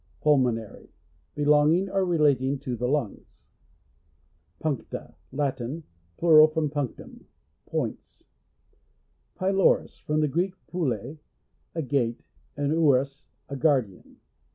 Pulmonary. — Belonging or relating to the lungs. Puncta. — Latin. Plural of punctum. Points. Pylorus — From the Greek, pule, a gate, and ouros, a guardian.